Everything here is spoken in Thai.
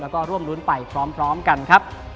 แล้วก็ร่วมรุ้นไปพร้อมกันครับ